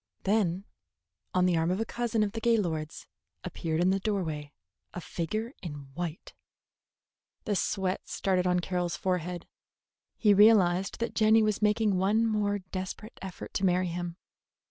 Then, on the arm of a cousin of the Gaylords, appeared in the doorway a figure in white. The sweat started on Carroll's forehead. He realized that Jenny was making one more desperate effort to marry him.